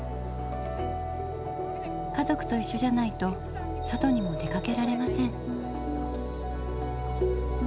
家族といっしょじゃないと外にも出かけられません。